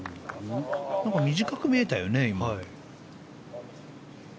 短く見えたよね、今。